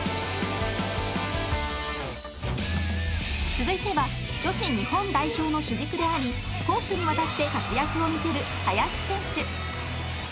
［続いては女子日本代表の主軸であり攻守にわたって活躍を見せる］